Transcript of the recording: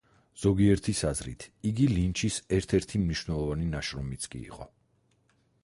ზოგიერთის აზრით, იგი ლინჩის ერთ-ერთი მნიშვნელოვანი ნაშრომიც კი იყო.